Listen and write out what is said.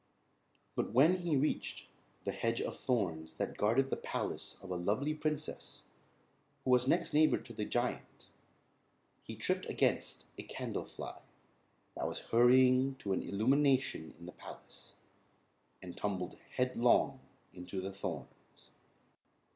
But when he reached the hedge of thorns that guarded the palace of a lovely princess who was next neighbor to the Giant, he tripped against a candle fly that was hurrying to an illumination in the palace, and tumbled headlong into the thorns.